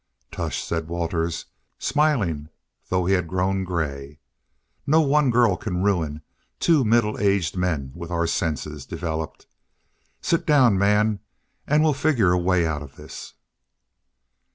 "Tush!" said Waters, smiling, though he had grown gray. "No one girl can ruin two middle aged men with our senses developed. Sit down, man, and we'll figure a way out of this."